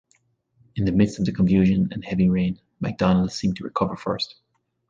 In the midst of the confusion and heavy rain, MacDonald seemed to recover first.